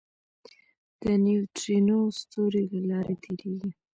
د نیوټرینو ستوري له لارې تېرېږي.